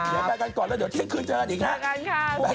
เดี๋ยวไปกันก่อนแล้วเดี๋ยวเที่ยงคืนเจอกันอีกครับ